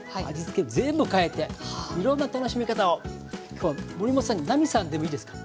今日は守本さん奈実さんでもいいですか？